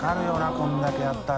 これだけやったら。